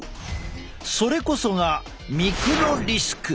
それこそがミクロリスク。